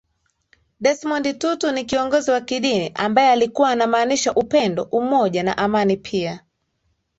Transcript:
Desmond Tutu ni kiongozi wa kidini ambae alikuwa anaamasisha upendo umoja na amanipia